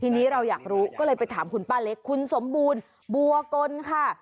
ทีนี้เราอยากรู้ก็เลยไปถามคุณป้าเล็กคุณสมบูรณ์บัวกลค่ะ